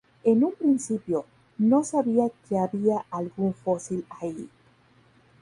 En un principio, no sabía que había algún fósil allí.